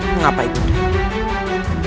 mengapa ibu unda